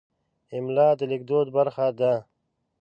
املا د لیکدود برخه ده.